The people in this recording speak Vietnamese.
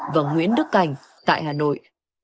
và nguyễn đức cảnh tại hà nội